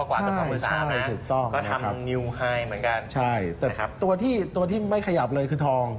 ใช่ถูกต้องนะครับใช่แต่ตัวที่ไม่ขยับเลยคือทอง